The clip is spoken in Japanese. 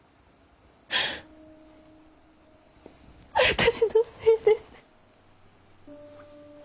私のせいです。